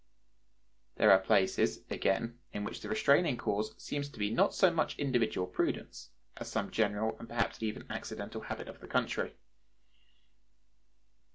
There are places, again, in which the restraining cause seems to be not so much individual prudence, as some general and perhaps even accidental habit of the country.